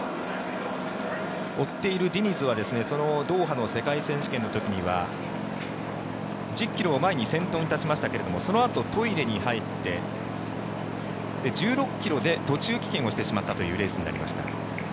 追っているディニズはドーハの世界選手権の時には１０ｋｍを前に先頭に立ちましたけどそのあとトイレに入って１６ｋｍで途中棄権をしてしまったというレースになりました。